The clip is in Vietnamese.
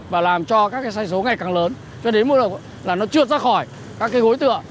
và làm cho các cái say số ngày càng lớn cho đến một lần nữa là nó trượt ra khỏi các cái gối tựa